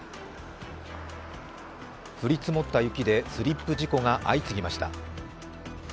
降り積もった雪でスリップ事故が相次ぎました。